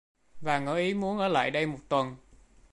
Và ngỏ ý muốn ở lại đây một tuần